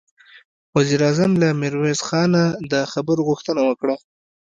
وزير اعظم له ميرويس خانه د خبرو غوښتنه وکړه.